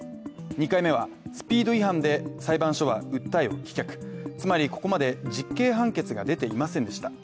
２回目はスピード違反で裁判所は訴えを棄却、つまり、ここまで実刑判決が出ていませんでした。